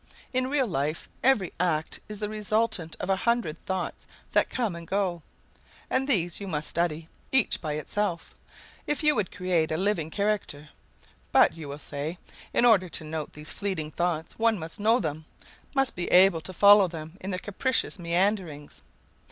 In real life every act is the resultant of a hundred thoughts that come and go, and these you must study, each by itself, if you would create a living character. 'But,' you will say, 'in order to note these fleeting thoughts one must know them, must be able to follow them in their capricious meanderings.'